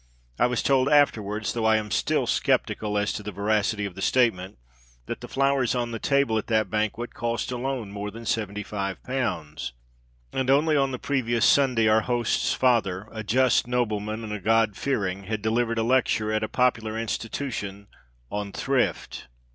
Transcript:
I was told afterwards, though I am still sceptical as to the veracity of the statement, that the flowers on the table at that banquet cost alone more than £75. And only on the previous Sunday, our host's father a just nobleman and a God fearing had delivered a lecture, at a popular institution, on "Thrift."